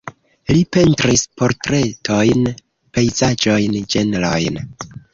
Li pentris portretojn, pejzaĝojn, ĝenrojn.